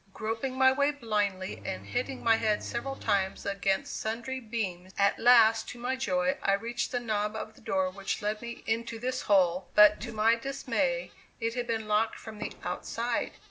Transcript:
Groping my way blindly and hitting my head several times against sundry beams, at last, to my joy, I reached the knob of the door which led me into this hole, but to my dismay it had been locked from the outside!